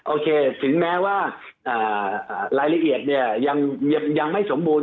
โอเคถึงแม้ว่ารายละเอียดเนี่ยยังไม่สมบูรณ